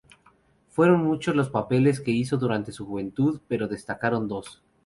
Fueron muchos los papeles que hizo durante su juventud, pero destacaron dos.